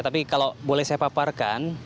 tapi kalau boleh saya paparkan